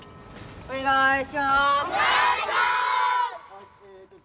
お願いします！